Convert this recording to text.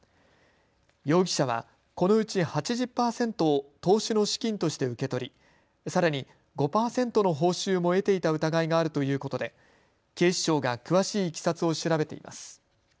容疑者はこのうち８０％を投資の資金として受け取りさらに５％の報酬も得ていた疑いがあるということで警視庁が詳しいいきさつを調べています。